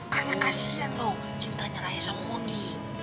karena kasihan lu cintanya raya sama moni